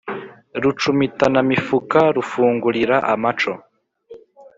rucumitanamifuka rufungulira amaco,